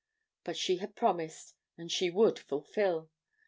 But she had promised, and she would fulfill.